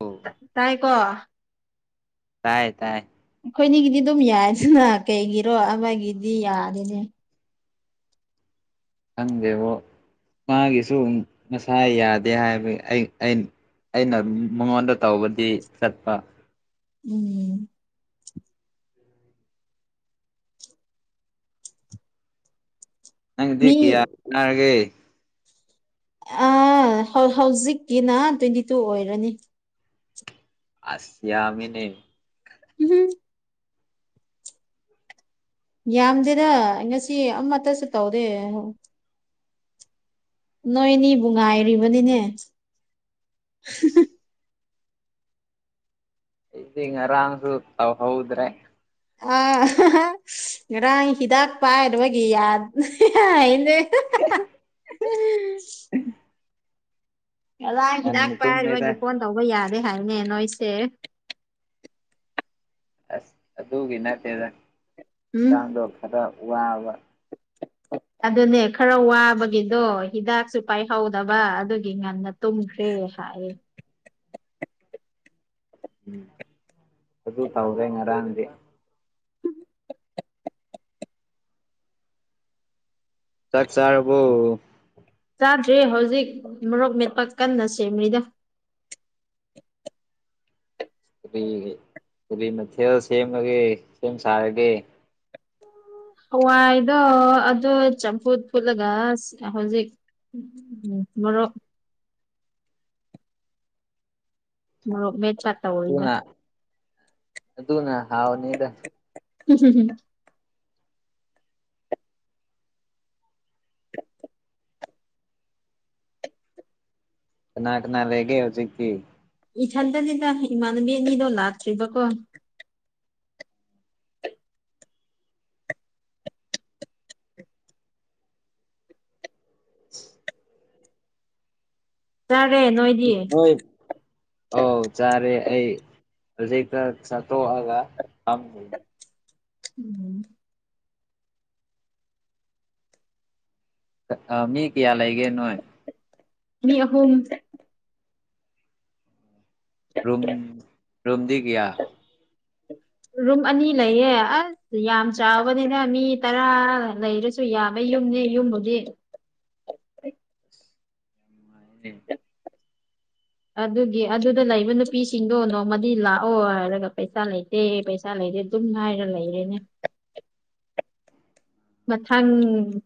ꯑꯣ ꯇꯥꯏꯀꯣ ꯇꯥꯏꯌꯦ ꯇꯥꯏ ꯑꯩꯈꯣꯏꯅꯤꯒꯤꯗꯤ ꯑꯗꯨꯝ ꯌꯥꯏꯗꯅ ꯀꯩꯒꯤꯔꯣ ꯑꯃꯒꯤꯗꯤ ꯌꯥꯗꯦꯅꯦ ꯈꯪꯗꯦꯕꯣ ꯃꯥꯒꯤꯁꯨ ꯉꯁꯥꯏ ꯌꯥꯗꯦ ꯍꯥꯏꯕꯒꯤ ꯑꯩ ꯑꯩ ꯑꯩꯅ ꯃꯉꯣꯟꯗ ꯇꯧꯕꯗꯤ ꯆꯠꯄ ꯎꯝ ꯅꯪꯒꯤꯗꯤ ꯃꯤ ꯀꯌꯥ ꯇꯔꯒꯦ ꯑ ꯍꯧ ꯍꯧꯖꯤꯛꯀꯤꯅ ꯇ꯭ꯋꯦꯟꯇꯤ ꯇꯨ ꯑꯣꯏꯔꯅꯤ ꯑꯁ ꯌꯥꯝꯃꯦꯅꯦ [unintelligible] ꯌꯥꯝꯗꯦꯗ ꯉꯁꯤ ꯑꯃꯠꯇꯁꯨ ꯇꯧꯗꯦ ꯅꯣꯏꯅꯤꯕꯨ ꯉꯥꯏꯔꯤꯕꯅꯤꯅꯦ ꯑꯩꯗꯤ ꯉꯥꯔꯥꯡꯁꯨ ꯇꯧꯍꯧꯗ꯭ꯔꯦ ꯑ ꯉꯥꯔꯥꯡ ꯍꯤꯗꯥꯛ ꯄꯥꯏꯔꯨꯕꯒꯤ ꯌꯥ ꯍꯥꯏꯌꯦꯅꯦ [unintelligible] [unintelligible] ꯉꯥꯔꯡ ꯍꯤꯗꯥꯛ ꯉꯟꯅ ꯇꯨꯝꯃꯦꯗ ꯄꯥꯏꯔꯨꯕꯒꯤ ꯐꯣꯟ ꯇꯧꯕ ꯌꯥꯗꯦ ꯍꯥꯏꯕꯅꯦ ꯅꯣꯏꯁꯦ ꯑꯁ ꯑꯗꯨꯒꯤ ꯅꯠꯇꯦꯗ ꯎꯝ ꯆꯥꯡꯗꯣ ꯈꯔ ꯋꯥꯕ ꯑꯗꯨꯅꯦ ꯈꯔ ꯋꯥꯕꯒꯤꯗꯣ ꯍꯤꯗꯥꯛꯁꯨ ꯄꯥꯏꯍꯧꯗꯕ ꯑꯗꯨꯒꯤ ꯉꯟꯅ ꯇꯨꯝꯈꯔꯦ ꯍꯥꯏꯌꯦ ꯎꯝ ꯑꯗꯨ ꯇꯧꯔꯦ ꯉꯔꯥꯡꯗꯤ ꯆꯥꯛ ꯆꯥꯔꯕꯣ ꯆꯥꯗ꯭ꯔꯤ ꯍꯧꯖꯤꯛ ꯃꯣꯔꯣꯛ ꯃꯦꯠꯄ ꯀꯟꯅ ꯁꯦꯝꯔꯤꯗ ꯀꯔꯤ ꯀꯔꯤ ꯃꯊꯦꯜ ꯁꯦꯝꯃꯒꯦ ꯁꯦꯝ ꯁꯥꯔꯒꯦ ꯍꯋꯥꯏꯗꯣ ꯑꯗꯨ ꯆꯝꯐꯨꯠ ꯐꯨꯠꯂꯒ ꯍꯧꯖꯤꯛ ꯃꯣꯔꯣꯛ ꯃꯣꯔꯣꯛ ꯃꯦꯠꯆ ꯗꯨꯅ ꯑꯗꯨꯅ ꯍꯥꯎꯅꯤꯗ [unintelligible] ꯀꯅꯥ ꯀꯅꯥ ꯂꯩꯒꯦ ꯍꯧꯖꯤꯛꯇꯤ ꯏꯊꯟꯗꯅꯤꯗ ꯏꯃꯥꯟꯅꯕꯤ ꯑꯅꯤꯗꯣ ꯂꯥꯛꯇ꯭ꯔꯤꯕꯀꯣ [unintelligible] ꯆꯥꯔꯦ ꯅꯣꯏ ꯒꯨꯠ ꯕꯣꯏ ꯑꯧ ꯆꯥꯔꯦ ꯑꯩ ꯍꯧꯖꯤꯛꯇ ꯆꯥꯊꯣꯛꯑꯒ ꯐꯝꯃꯤ [unintelligible] ꯑꯥ ꯃꯤ ꯀꯌꯥ ꯂꯩꯒꯦ ꯅꯣꯏ ꯃꯤ ꯑꯍꯨꯝ ꯔꯝ ꯔꯨꯝꯗꯤ ꯀꯌꯥ ꯔꯨꯝ ꯑꯅꯤ ꯂꯩꯌꯦ ꯑ ꯌꯥꯝ ꯆꯥꯎꯕꯅꯤꯅ ꯃꯤ ꯇꯔꯥ ꯂꯩꯔꯁꯨ ꯌꯥꯕ ꯌꯨꯝꯅꯦ ꯌꯨꯝꯕꯨꯗꯤ [unintelligible] ꯑꯗꯨꯒꯤ ꯑꯗꯨꯗ ꯂꯩꯕ ꯅꯨꯄꯤꯁꯤꯡꯗꯣ ꯅꯣꯡꯃꯗꯤ ꯂꯥꯛꯑꯣ ꯍꯥꯏꯔꯒ ꯄꯩꯁꯥ ꯂꯩ [unintelligible] ꯄꯩꯁ ꯂꯩꯗꯦ ꯑꯗꯨꯝ ꯍꯥꯢꯔꯒ ꯂꯩꯔꯦꯅ ꯃꯊꯪ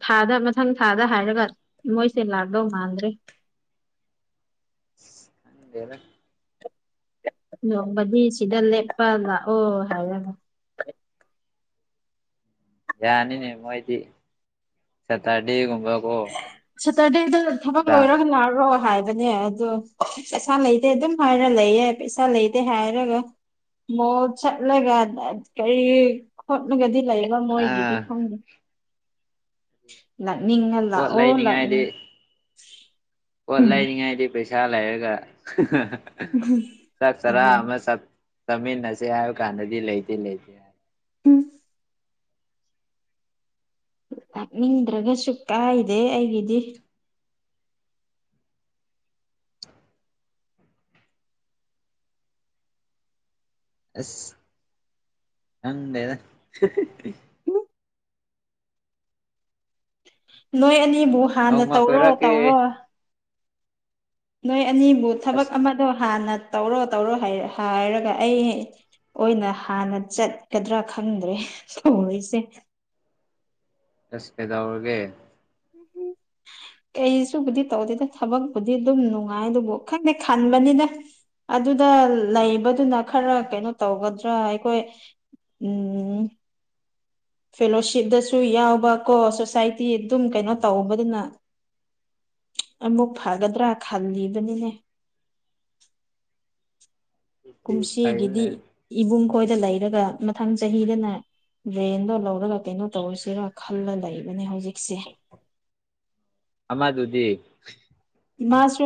ꯊꯥꯗ ꯃꯊꯪ ꯊꯥꯗ ꯍꯥꯏꯔꯒ ꯃꯣꯏꯁꯦ ꯂꯥꯛꯒꯗꯧ ꯃꯥꯟꯗ꯭ꯔꯦ ꯈꯪꯗꯦꯅ ꯅꯣꯡꯃꯗꯤ ꯁꯤꯗ ꯂꯦꯞꯄ ꯂꯥꯛꯑꯣ ꯍꯥꯏꯔꯒ ꯌꯥꯅꯤꯅꯦ ꯃꯣꯏꯗꯤ ꯁꯇꯔꯗꯦꯒꯨꯝꯕ ꯁꯇꯔꯗꯦꯗ ꯊꯕꯛ ꯂꯣꯏꯔꯒ ꯂꯥꯛꯔꯣ ꯍꯥꯏꯕꯅꯦ ꯑꯗꯣ ꯄꯩꯁꯥ ꯂꯩꯇꯦ ꯑꯗꯨꯝ ꯍꯥꯏꯔ ꯂꯩꯌꯦ ꯄꯩꯁꯥ ꯂꯩꯇꯦ ꯍꯥꯏꯔꯒ ꯃꯣꯜ ꯆꯠꯂꯒ [unintelligible] ꯀꯔꯤ ꯈꯣꯠꯂꯒꯗꯤ ꯂꯩꯕ ꯃꯣꯏꯒꯤꯗꯤ ꯑꯥ ꯈꯪꯗꯦ ꯂꯥꯛꯅꯤꯡꯉ ꯄꯣꯠ ꯂꯥꯛꯑꯣ ꯂꯥꯛꯅꯤꯡ ꯂꯩꯅꯤꯉꯥꯏꯗꯤ ꯄꯣꯠ ꯎꯝ ꯂꯩꯅꯤꯉꯥꯏꯗꯤ ꯄꯩꯁꯥ ꯂꯩꯔꯒ [unintelligible] ꯆꯥꯛ ꯆꯔꯥ ꯑꯗꯨꯅꯤ ꯑꯃ ꯆꯥ ꯃꯤꯟꯅꯁꯤ ꯍꯥꯢꯕꯀꯥꯟꯗꯗꯤ ꯂꯩꯇꯦ ꯂꯩꯇꯦ ꯍꯥꯢꯕ ꯎꯝ ꯂꯥꯛꯅꯤꯡꯗ꯭ꯔꯒꯁꯨ ꯀꯥꯏꯗꯦ ꯑꯩꯒꯤꯗꯤ [unintelligible] ꯑꯁ ꯈꯪꯗꯦꯗ ꯅꯣꯏ ꯑꯅꯤꯕꯨ ꯍꯥꯟꯅ ꯅꯣꯡꯃ ꯇꯧꯔꯣ ꯀꯣꯏꯔꯛꯀꯦ ꯇꯧꯔꯣ ꯅꯣꯏ ꯑꯅꯤꯕꯨ ꯊꯕꯛ ꯑꯁ ꯑꯃꯗꯣ ꯍꯥꯟꯅ ꯇꯧꯔꯣ ꯇꯧꯔꯣ ꯍꯥꯢꯔ ꯍꯥꯏꯔꯒ ꯑꯩ ꯑꯣꯏꯅ ꯍꯥꯟꯅ ꯆꯠꯀꯗ꯭ꯔꯥ ꯈꯪꯗ꯭ꯔꯦ ꯇꯧꯔꯤꯁꯦ ꯑꯁ ꯀꯩꯗꯧꯔꯒꯦ ꯀꯩꯁꯨꯕꯨꯗꯤ ꯇꯧꯗꯦꯗ ꯊꯕꯛꯄꯨꯗꯤ ꯑꯗꯨꯝ ꯅꯨꯡꯉꯥꯏ ꯑꯗꯨꯕꯨ ꯈꯪꯗꯦ ꯈꯟꯕꯅꯤꯗ ꯑꯗꯨꯗ ꯂꯩꯕꯗꯨꯅ ꯈꯔ ꯀꯩꯅꯣ ꯇꯧꯒꯗ꯭ꯔꯥ ꯑꯩꯈꯣꯏ ꯎꯝ ꯐꯦꯂꯣꯁꯤꯞꯗꯁꯨ ꯌꯥꯎꯕ ꯀꯣ ꯁꯣꯁꯥꯏꯇꯤ ꯑꯗꯨꯝ ꯀꯩꯅꯣ ꯇꯧꯕꯗꯨꯅ ꯑꯃꯨꯛ ꯐꯒꯗ꯭ꯔꯥ ꯈꯜꯂꯤꯕꯅꯤꯅꯦ ꯀꯨꯝꯁꯤꯒꯤꯗꯤ ꯐꯩꯅꯦ ꯏꯕꯨꯡ ꯈꯣꯏꯗ ꯂꯩꯔꯒ ꯃꯊꯪ ꯆꯍꯤꯗꯅ ꯔꯦꯟꯗꯣ ꯂꯧꯔꯒ ꯀꯩꯅꯣ ꯇꯧꯔꯁꯤꯔꯥ ꯈꯜꯂ ꯂꯩꯕꯅꯦ ꯍꯧꯖꯤꯛꯁꯦ ꯑꯃꯥꯗꯨꯗꯤ ꯏꯃꯥꯁꯨ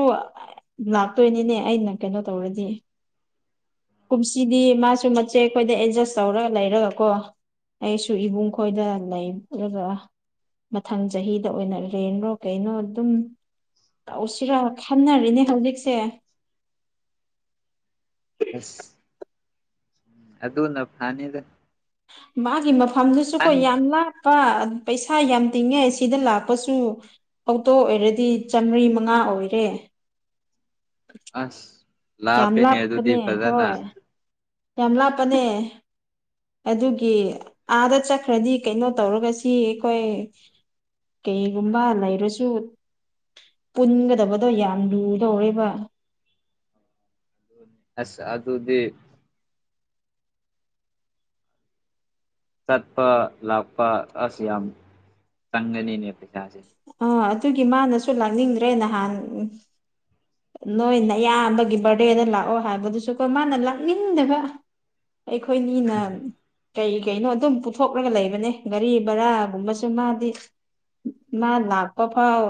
ꯂꯥꯛꯇꯣꯏꯅꯤꯅꯦ ꯑꯩꯅ ꯀꯩꯅꯣ ꯇꯧꯔꯗꯤ ꯀꯨꯝꯁꯤꯗꯤ ꯃꯥꯁꯨ ꯃꯆꯦꯈꯣꯏꯗ ꯑꯦꯗꯖꯁ ꯇꯧꯔꯒ ꯂꯩꯔꯒ ꯀꯣ ꯑꯩꯁꯨ ꯏꯕꯨꯡ ꯈꯣꯏꯗ ꯂꯩ ꯔꯒ ꯃꯊꯪ ꯆꯍꯤꯗ ꯑꯣꯏꯅ ꯔꯦꯟꯔꯣ ꯀꯩꯅꯣ ꯑꯗꯨꯝ ꯇꯧꯁꯤꯔꯥ ꯈꯟꯅꯔꯤꯅꯦ ꯍꯧꯖꯤꯛꯁꯦ ꯑꯁ ꯑꯗꯨꯅ ꯐꯅꯤꯗ ꯃꯥꯒꯤ ꯃꯐꯝꯗꯨꯁꯨ ꯀꯣ ꯑꯟ ꯌꯥꯝ ꯂꯥꯞ ꯄ ꯄꯩꯁꯥ ꯌꯥꯝ ꯇꯤꯡꯉꯦ ꯁꯤꯗ ꯂꯥꯛꯄꯁꯨ ꯑꯣꯛꯇꯣ ꯑꯣꯏꯔꯗꯤ ꯆꯥꯝꯃꯔꯤ ꯃꯉꯥ ꯑꯣꯏꯔꯦ ꯑꯁ ꯌꯥꯝ ꯂꯥꯄꯦꯅꯦ ꯑꯗꯨꯗꯤ ꯂꯥꯞꯄꯅꯦ ꯐꯖꯅ ꯍꯣꯏ ꯌꯥꯝ ꯂꯥꯞꯄꯅꯦ ꯑꯗꯨꯒꯤ ꯑꯥꯗ ꯆꯠꯈ꯭ꯔꯗꯤ ꯀꯩꯅꯣ ꯇꯧꯔꯒ ꯁꯤ ꯑꯩꯈꯣꯏ ꯀꯩꯒꯨꯝꯕ ꯂꯩꯔꯁꯨ ꯄꯨꯟꯒꯗꯕꯗꯣ ꯌꯥꯝ ꯂꯨꯗꯧꯔꯦꯕ ꯑꯁ ꯑꯗꯨꯗꯤ ꯆꯠꯄ ꯂꯥꯛꯄ ꯑꯁ ꯌꯥꯝ ꯆꯪꯒꯅꯤꯅꯦ ꯄꯩꯁꯥꯁꯦ ꯑꯥ ꯑꯗꯨꯒꯤ ꯃꯥꯅꯁꯨ ꯂꯥꯛꯅꯤꯡꯗ꯭ꯔꯦ ꯅꯍꯥꯟ ꯅꯣꯏ ꯅꯌꯥꯝꯕꯒꯤ ꯕꯥꯔꯗꯦꯗ ꯂꯥꯛꯑꯣ ꯍꯥꯏꯕꯗꯨꯁꯨꯀꯣ ꯃꯥꯅ ꯂꯥꯛꯅꯤꯡꯗꯕ ꯑꯩꯈꯣꯏꯅꯤꯅ ꯀꯩ ꯀꯩꯅꯣ ꯑꯗꯨꯝ ꯄꯨꯊꯣꯛꯂꯒ ꯂꯩꯕꯅꯦ ꯒꯥꯔꯤ ꯕꯔꯥꯒꯨꯝꯕꯁꯨ ꯃꯥꯗꯤ ꯃꯥ ꯂꯥꯛꯄ ꯐꯥꯎ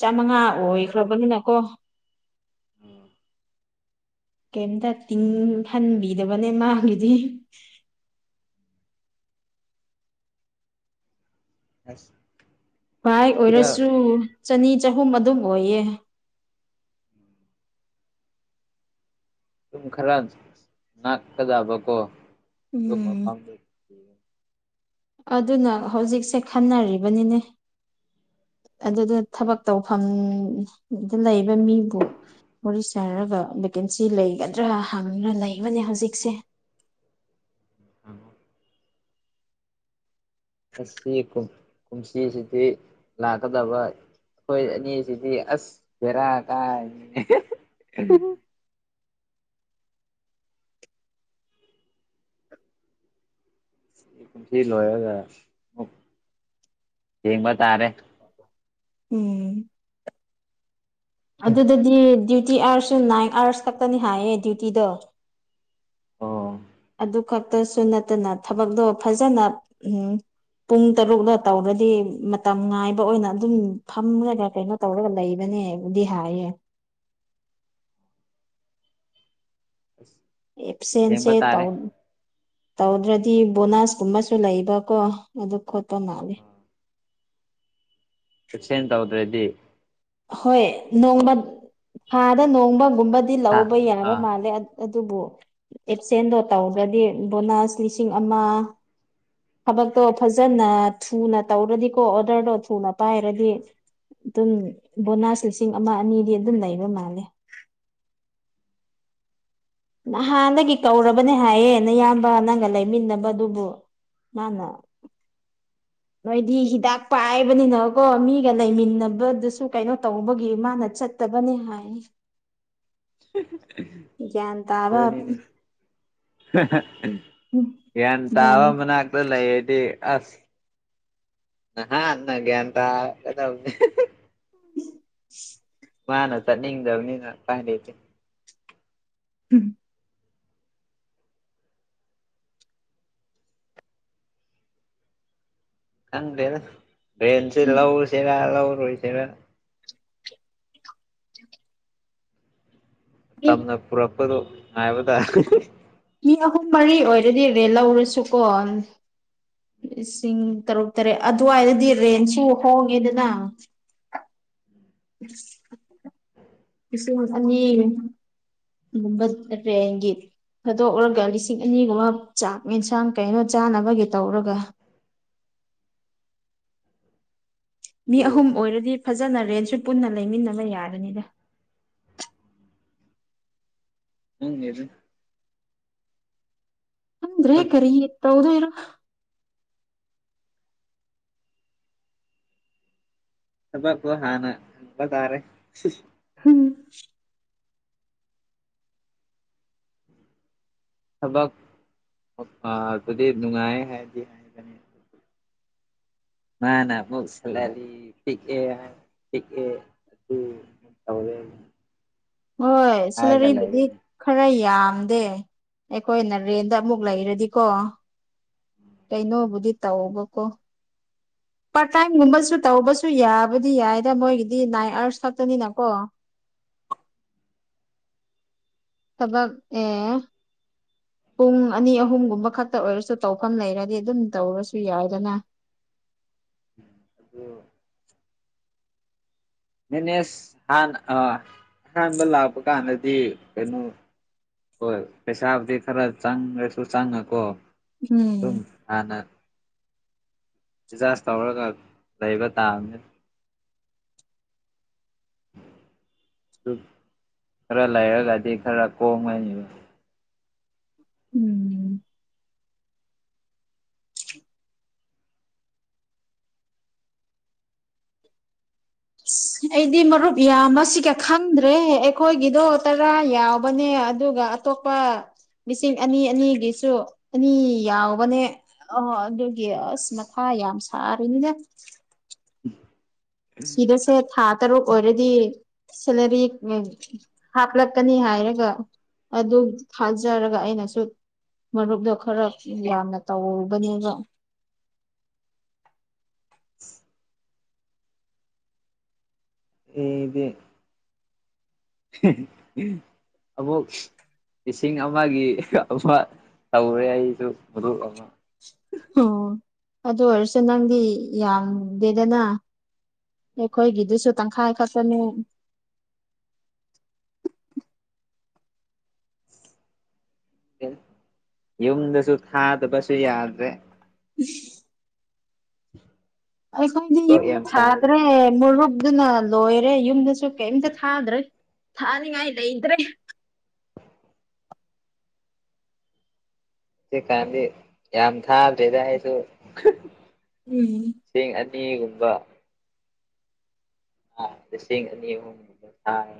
ꯆꯥꯃꯉꯥ ꯑꯣꯏꯈ꯭ꯔꯕꯅꯤꯅ ꯀꯣ ꯎꯝ ꯀꯩꯝꯇ ꯇꯤꯡꯍꯟꯕꯤꯗꯕꯅꯦ ꯃꯥꯒꯤꯗꯤ ꯑꯁ ꯚꯥꯏ ꯈꯔ ꯑꯣꯏꯔꯁꯨ ꯆꯅꯤ ꯆꯍꯨꯝ ꯑꯗꯨꯝ ꯑꯣꯏꯌꯦ ꯎꯝ ꯑꯗꯨꯝ ꯈꯔ ꯅꯥꯛꯀꯗꯕꯀꯣ ꯑꯗꯨ ꯎꯝ ꯃꯐꯝꯗꯨ ꯊꯤꯌꯣ ꯑꯗꯨꯅ ꯍꯧꯖꯤꯛꯁꯦ ꯈꯟꯅꯔꯤꯕꯅꯤꯅꯦ ꯑꯗꯨꯗ ꯊꯕꯛ ꯇꯧꯐꯝꯗ ꯂꯩꯕ ꯃꯤꯕꯨ ꯋꯥꯔꯤ ꯁꯥꯔꯒ ꯚꯦꯀꯦꯟꯁꯤ ꯂꯩꯒꯗ꯭ꯔꯥ ꯍꯪꯅ ꯂꯩꯕꯅꯦ ꯍꯧꯖꯤꯛꯁꯦ ꯍꯪꯉꯣ ꯑꯁꯤ ꯀꯨꯝ ꯀꯨꯝꯁꯤꯁꯤꯗꯤ ꯂꯥꯛꯀꯗꯕ ꯑꯩꯈꯣꯏ ꯑꯅꯤꯁꯤꯗꯤ ꯑꯁ ꯚꯦꯔꯥ ꯀꯥꯔꯅꯤꯅꯦ ꯀꯨꯝꯁꯤ ꯂꯣꯏꯔꯒ ꯃꯨꯛ ꯌꯦꯡꯕ ꯇꯥꯔꯦ ꯎꯝ ꯑꯗꯨꯗꯗꯤ ꯗ꯭ꯌꯨꯇꯤ ꯑꯥꯔꯁꯨ ꯅꯥꯏꯟ ꯑꯥꯋꯔꯁ ꯈꯛꯇꯅꯤ ꯍꯥꯏꯌꯦ ꯗ꯭ꯌꯨꯇꯤꯗꯣ ꯑꯣ ꯑꯗꯨ ꯈꯛꯇꯁꯨ ꯅꯠꯇꯅ ꯊꯕꯛꯇꯣ ꯐꯖꯅ ꯎꯝ ꯄꯨꯡ ꯇꯔꯨꯛꯅ ꯇꯧꯔꯗꯤ ꯃꯇꯝ ꯉꯥꯏꯕ ꯑꯣꯏꯅ ꯑꯗꯨꯝ ꯐꯝꯔꯒ ꯀꯩꯅꯣ ꯇꯧꯔꯒ ꯂꯩꯕꯅꯦꯕꯨꯗꯤ ꯍꯥꯏꯌꯦ ꯑꯁ ꯑꯦꯞꯁꯦꯟꯁꯦ ꯌꯦꯡꯕ ꯇꯥꯔꯦ ꯇꯧꯅꯤ ꯇꯧꯗ꯭ꯔꯗꯤ ꯕꯣꯅꯁꯀꯨꯝꯕꯁꯨ ꯂꯩꯕꯀꯣ ꯑꯗꯨ ꯈꯣꯠꯄ ꯃꯥꯂꯦ ꯑꯦꯁꯦꯟ ꯇꯧꯗ꯭ꯔꯦꯗꯤ ꯍꯣꯏ ꯅꯣꯡꯃ ꯊꯥꯗ ꯅꯣꯡꯃꯒꯨꯝꯕꯗꯤ ꯍꯥ ꯂꯧꯕ ꯌꯥꯕ ꯑꯥ ꯃꯥꯜꯂꯦ ꯑ ꯑꯗꯨꯕꯨ ꯑꯦꯞꯁꯦꯟꯗꯣ ꯇꯧ꯭ꯔꯗꯤ ꯕꯣꯅꯥꯁ ꯂꯤꯁꯤꯡ ꯑꯃ ꯊꯕꯛꯇꯣ ꯐꯖꯅ ꯊꯨꯅ ꯇꯧꯔꯗꯤꯀꯣ ꯑꯣꯔꯗꯔꯗꯣ ꯊꯨꯅ ꯄꯥꯏꯔꯗꯤ ꯑꯗꯨꯝ ꯕꯣꯅꯥꯁ ꯂꯤꯁꯤꯡ ꯑꯃ ꯑꯅꯤꯗꯤ ꯑꯗꯨꯝ ꯂꯩꯕ ꯃꯥꯂꯦ ꯅꯍꯥꯟꯗꯒꯤ ꯀꯧꯔꯕꯅꯦ ꯍꯥꯏꯌꯦ ꯅꯌꯥꯝꯕ ꯅꯪꯒ ꯂꯩꯃꯤꯟꯅꯕ ꯑꯗꯨꯕꯨ ꯃꯥꯅ ꯅꯣꯏꯗꯤ ꯍꯤꯗꯥꯛ ꯄꯥꯏꯕꯅꯤꯅꯀꯣ ꯃꯤꯒ ꯂꯩꯃꯤꯟꯅꯕꯗꯨꯁꯨ ꯀꯩꯅꯣ ꯇꯧꯕꯒꯤ ꯃꯥꯅ ꯆꯠ ꯇꯕꯅꯤ ꯍꯥꯏ ꯒ꯭ꯌꯥꯟ ꯇꯥꯕ ꯑꯗꯨꯅꯤꯅꯦ ꯒ꯭ꯌꯥꯟ ꯇꯥꯕ ꯃꯅꯥꯛ ꯑꯗꯨ ꯂꯩꯌꯦꯗꯤ ꯑꯁ ꯅꯍꯥꯟ ꯅ ꯒ꯭ꯌꯥꯟ ꯇꯥ ꯀꯗꯧꯅꯤ [unintelligible] ꯃꯥꯅ ꯆꯠꯅꯤꯡꯗꯕꯅꯤꯅ ꯈꯪꯗꯦꯁꯦ ꯎꯝ ꯈꯪꯗꯦꯗꯥ ꯄꯦꯟꯁꯤ ꯂꯧꯁꯤꯔꯥ ꯂꯧꯔꯣꯏꯁꯤꯔꯥ ꯇꯝꯅ ꯄꯨꯔꯛꯄꯗꯨ ꯉꯥꯏꯕꯗꯥ ꯃꯤ ꯑꯍꯨꯝ ꯃꯔꯤ ꯑꯣꯏꯔꯗꯤ ꯔꯦꯟ ꯂꯧꯔꯁꯨꯀꯣ ꯂꯤꯁꯤꯡ ꯇꯔꯨꯛ ꯇꯔꯦꯠ ꯑꯗꯨꯋꯥꯏꯗꯗꯤ ꯔꯦꯟꯁꯨ ꯍꯣꯡꯉꯦꯗꯅ ꯂꯤꯁꯤꯡ ꯑꯅꯤ ꯒꯨꯝꯕ [inaudible] ꯊꯥꯗꯣꯛꯔꯒ ꯂꯤꯁꯤꯡ ꯑꯅꯤꯒꯨꯝꯕ ꯆꯥꯛ ꯌꯦꯟꯁꯥꯡ ꯀꯩꯅꯣ ꯆꯥꯅꯕꯒꯤ ꯇꯧꯔꯒ ꯃꯤ ꯑꯍꯨꯝ ꯑꯣꯏꯔꯗꯤ ꯐꯖꯅ ꯔꯦꯟꯁꯨ ꯄꯨꯟꯅ ꯂꯩꯃꯤꯟꯅꯕ ꯌꯥꯕꯅꯤꯗ ꯈꯪꯗꯦꯗ ꯗ꯭ꯔꯦ ꯍꯦ ꯊꯕꯛ ꯀꯔꯤ ꯇꯧꯗꫭꯏꯔꯥ ꯊꯕꯛꯇꫭ ꯍꯥꯠꯅ ꯍꯪꯕ ꯇꯥꯔꯦ [unintelligible] [unintelligible] ꯊꯕꯛ [unintelligible] ꯑꯗꯨꯗꯤ ꯅꯨꯡꯉꯥꯢꯍꯥꯏꯗꯤ ꯃꯥꯅ ꯑꯃꯨꯛ ꯁꯂꯔꯤ ꯄꯤꯛꯄꯦ ꯍꯥꯢꯅ ꯄꯤꯛꯑꯦ ꯑꯗꯨ ꯇꯧꯔꯦꯒ ꯍꯣꯏ ꯁꯦꯂꯔꯤꯕꯨꯗꯤ ꯂꯩꯔꯦꯅꯦ ꯈꯔ ꯌꯥꯝꯗꯦ ꯑꯩꯈꯣꯏꯅ ꯔꯦꯟꯗ ꯑꯃꯨꯛ ꯂꯩꯔꯗꯤꯀꯣ [inaudible] ꯀꯩꯅꯣꯕꯨꯗꯤ ꯇꯧꯕꯀꯣ ꯄꯥꯔꯠ ꯇꯥꯏꯝꯒꯨꯝꯕꯁꯨ ꯇꯧꯕꯁꯨ ꯌꯥꯕꯨꯗꯤ ꯌꯥꯏꯗ ꯃꯣꯏꯒꯤꯗꯤ ꯅꯥꯏꯟ ꯑꯥꯋꯔꯁ ꯈꯛꯇꯅꯤꯅꯀꯣ ꯊꯕꯛ ꯑꯦ ꯄꯨꯡ ꯑꯅꯤ ꯑꯍꯨꯝꯒꯨꯝꯕ ꯈꯠꯇꯪ ꯑꯣꯏꯔꯁꯨ ꯇꯧꯐꯝ ꯂꯩꯔꯗꯤ ꯑꯗꯨꯝ ꯇꯧꯔꯁꯨ ꯌꯥꯏꯗꯅ ꯑꯗꯨ ꯃꯦꯅꯦꯁ ꯍꯥꯟ ꯑꯥ ꯑꯍꯥꯟꯕ ꯂꯥꯛꯄ ꯀꯥꯟꯗꯗꯤ ꯀꯩꯅꯣ ꯍꯣꯏ ꯄꯩꯁꯥꯕꯨꯗꯤ ꯈꯔ ꯆꯪꯔꯁꯨ ꯆꯪꯅꯀꯣ ꯑꯗꯨꯨꯝ ꯎꯝ ꯍꯥꯟꯅ ꯑꯦꯗꯖꯁ ꯇꯧꯔꯒ ꯂꯩꯕ ꯇꯥꯕꯅꯦ [unintelligible] ꯈꯔ ꯂꯩꯔꯒꯗꯤ ꯈꯔ ꯀꯣꯝꯒꯅꯤꯕ ꯎꯝ [unintelligible] ꯑꯩꯗꯤ ꯃꯔꯨꯞ ꯌꯥꯝꯕꯁꯤꯒ ꯈꯪꯗ꯭ꯔꯦ ꯑꯩꯈꯣꯏꯒꯤꯗꯣ ꯇꯔꯥ ꯌꯥꯎꯕꯅꯦ ꯑꯗꯨꯒ ꯑꯇꯣꯞꯄ ꯂꯤꯁꯤꯡ ꯑꯅꯤ ꯑꯅꯤꯒꯤꯁꯨ ꯑꯅꯤ ꯌꯥꯎꯕꯅꯦ ꯑ ꯑꯗꯨ ꯒꯤ ꯑꯁ ꯃꯊꯥ ꯌꯥꯝ ꯁꯥꯔꯤꯃꯤꯅꯦ [unintelligible] ꯊꯤꯔꯁꯦ ꯊꯥ ꯇꯔꯨꯛ ꯑꯣꯏꯔꯗꯤ ꯁꯦꯂꯔꯤ [unintelligible] ꯍꯥꯞꯂꯛꯀꯅꯤ ꯍꯥꯏꯔꯒ ꯑꯗꯨ ꯊꯥꯖꯔꯒ ꯑꯩꯅꯁꯨ ꯃꯔꯨꯞꯗꯣ ꯈꯔ ꯌꯥꯝꯅ ꯇꯧꯔꯨꯕꯅꯦꯕ [unintelligible] ꯑꯩꯗꯤ [unintelligible] ꯑꯃꯨꯛ ꯂꯤꯁꯤꯡ ꯑꯃꯒꯤ ꯑꯃ ꯇꯧꯔꯦ ꯑꯩꯁꯨ ꯊꯕꯛ ꯑꯃ ꯑꯣ ꯑꯗꯨ ꯑꯣꯏꯔꯁꯨ ꯅꯪꯗꯤ ꯌꯥꯝꯗꯦꯗꯅ ꯑꯩꯈꯣꯏꯒꯤꯗꯨꯁꯨ ꯇꯪꯈꯥꯏ ꯈꯛꯇꯅꯦ [unintelligible] ꯌꯨꯝꯗꯁꯨ ꯊꯥꯗꯕꯁꯨ ꯌꯥꯗ꯭ꯔꯦ [unintelligible] [inaudible] ꯑꯩꯈꯣꯏꯗꯤ ꯀꯣꯛ ꯌꯨꯝꯗ ꯌꯥꯝ ꯁꯥꯏꯗ ꯊꯥꯗ꯭ꯔꯦ ꯃꯨꯔꯨꯞ ꯑꯗꯨꯅ ꯂꯣꯏꯔꯦ ꯌꯨꯝꯗꯁꯨ ꯀꯩꯝꯇ ꯊꯥꯗ꯭ꯔꯦ ꯊꯥꯅꯤꯡꯉꯥꯏ ꯂꯩꯇ꯭ꯔꯦ ꯍꯧꯀꯥꯟꯗꯤ ꯌꯥꯝ ꯊꯥꯗ꯭ꯔꯦꯗ ꯑꯩꯁꯨ ꯎꯝ ꯂꯤꯁꯤꯡ ꯑꯅꯤꯒꯨꯝꯕ [unintelligible] ꯂꯤꯁꯤꯡ ꯑꯅꯤ ꯍꯨꯝꯒꯨꯝꯕ ꯊꯥꯢ